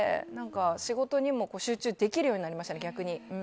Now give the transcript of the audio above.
仕事にも集中できるようになりましたね、逆に。